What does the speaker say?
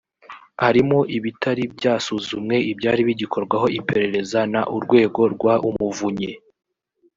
harimo ibitari byasuzumwe ibyari bigikorwaho iperereza n urwego rw umuvunyi